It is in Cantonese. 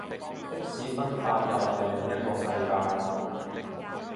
的士分法又係另一個世界